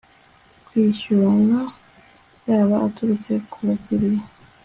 kwishyurana yaba aturutse ku bakiriya